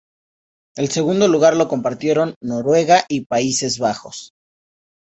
El segundo lugar lo compartieron Noruega y Países Bajos.